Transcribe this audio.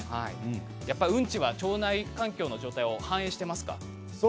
うんちは腸内環境の様子を反映していますか？